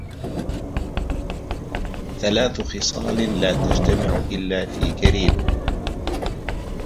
ثَلَاثُ خِصَالٍ لَا تَجْتَمِعُ إلَّا فِي كَرِيمٍ